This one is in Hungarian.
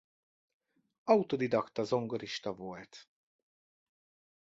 Autodidakta zongorista volt.